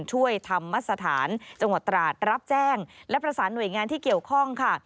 ช่วยธรรมสถานจังหวัดตราดรับแจ้งและประสานหน่วยงานที่เกี่ยวข้องค่ะ